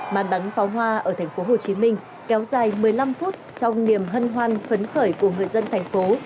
màn bắn pháo hoa ở thành phố hồ chí minh kéo dài một mươi năm phút trong niềm hân hoan phấn khởi của người dân thành phố